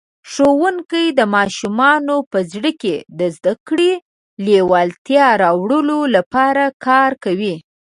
ښوونکی د ماشومانو په زړه کې د زده کړې لېوالتیا راوړلو لپاره کار کوي.